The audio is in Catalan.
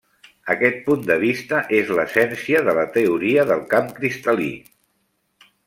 Aquest punt de vista és l'essència de la teoria del camp cristal·lí.